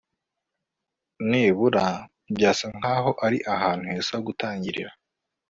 nibura, byasa nkaho ari ahantu heza ho gutangirira